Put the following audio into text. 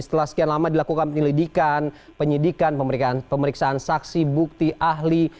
setelah sekian lama dilakukan penyelidikan penyidikan pemeriksaan saksi bukti ahli